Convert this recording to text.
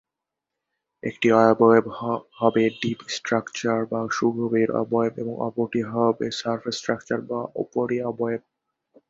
একটি অবয়ব হবে ডিপ স্ট্রাকচার বা সুগভীর অবয়ব এবং অপরটি হবে সারফেস স্ট্রাকচার বা উপরি অবয়ব।